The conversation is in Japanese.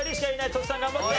としさん頑張って。